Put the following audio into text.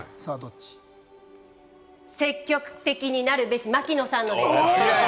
「積極的に行くべし」、槙野さんで。